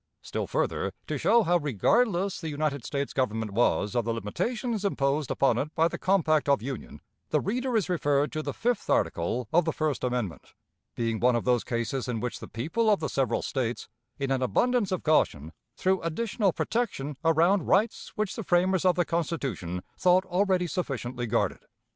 Still further to show how regardless the United States Government was of the limitations imposed upon it by the compact of Union, the reader is referred to the fifth article of the first amendment, being one of those cases in which the people of the several States, in an abundance of caution, threw additional protection around rights which the framers of the Constitution thought already sufficiently guarded.